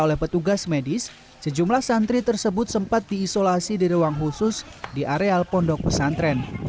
oleh petugas medis sejumlah santri tersebut sempat diisolasi di ruang khusus di areal pondok pesantren